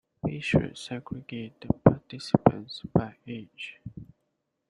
We should segregate the participants by age.